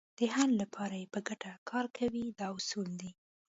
د حل لپاره یې په ګټه کار کوي دا اصول دي.